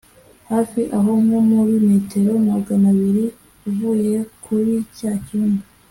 hafi aho nko muri metero maganabiri uvuye kuri cya cyumba